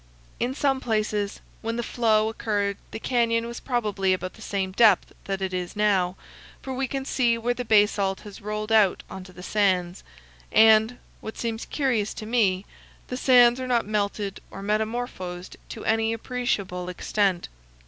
In some places, when the flow occurred the canyon was probably about the same depth that it is now, for we can see where the basalt has rolled out on the sands, and what seems curious to me the sands are not melted or metamorphosed to any appreciable extent.